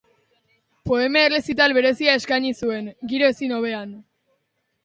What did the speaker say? Poema errezital berezia eskaini zuen, giro ezin hobean.